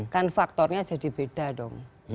kan faktornya jadi beda dong